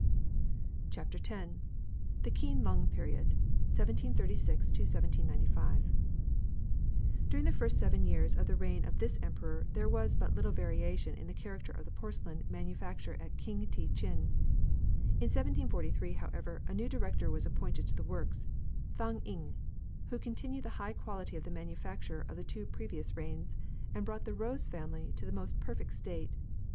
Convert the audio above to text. X THE KEEN LUNG PERIOD CHAPTER X THE KEEN LUNG PERIOD (1736 1795) During the first seven years of the reign of this Emperor there was but little variation in the character of the porcelain manufacture at King te chin. In 1743, however, a new director was appointed to the works Thang ing who continued the high quality of the manufacture of the two previous reigns, and brought the rose family to the most perfect state.